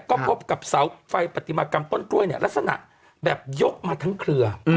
ก็พบกับเสาไฟปฏิมากรรมต้นกล้วยเนี่ยลักษณะแบบยกมาทั้งเครือ